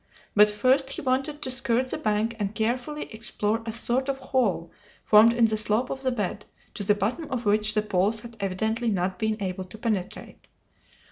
But first he wanted to skirt the bank and carefully explore a sort of hole formed in the slope of the bed, to the bottom of which the poles had evidently not been able to penetrate.